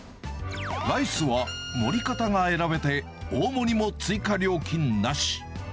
ライスは盛り方が選べて、大盛りも追加料金なし。